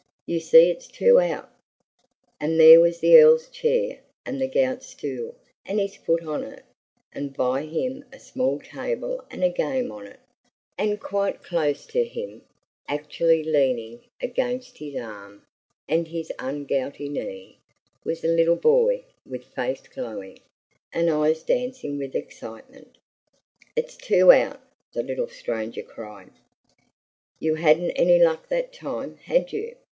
"You see it's two out!" And there was the Earl's chair, and the gout stool, and his foot on it; and by him a small table and a game on it; and quite close to him, actually leaning against his arm and his ungouty knee, was a little boy with face glowing, and eyes dancing with excitement. "It's two out!" the little stranger cried. "You hadn't any luck that time, had you?"